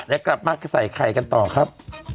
แล้วกลับมาใส่ไข่กันต่อครับ